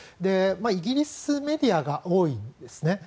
イギリスメディアが多いんですね。